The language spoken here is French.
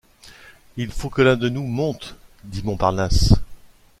Il faut que l’un de nous monte, dit Montparnasse.